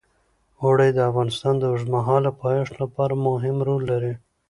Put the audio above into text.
اوړي د افغانستان د اوږدمهاله پایښت لپاره مهم رول لري.